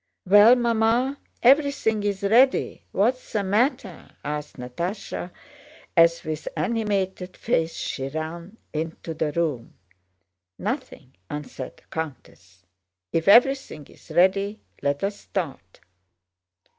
"Well, Mamma? Everything is ready. What's the matter?" asked Natásha, as with animated face she ran into the room. "Nothing," answered the countess. "If everything is ready let us start."